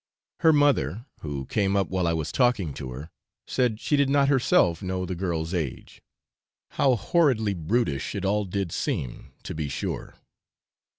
Her mother, who came up while I was talking to her, said she did not herself know the girl's age; how horridly brutish it all did seem, to be sure.